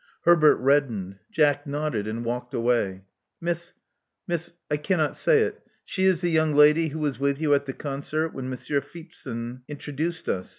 Herbert reddened. Jack nodded and walked away. Miss — Miss — I cannot say it. She is the young lady who was with you at the concert, when Monsieur Feepzon introduced us.